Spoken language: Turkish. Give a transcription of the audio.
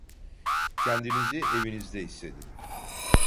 Kendinizi evinizde hissedin.